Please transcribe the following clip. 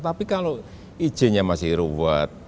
tapi kalau izinnya masih ruwet